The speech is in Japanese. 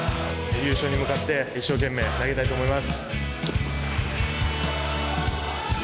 優勝に向かって一生懸命投げたいと思います。